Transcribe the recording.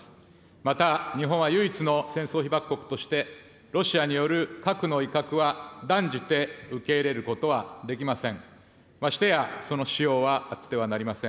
また、日本は唯一の戦争被爆国として、ロシアによる核の威嚇は、断じて受け入れることはできません。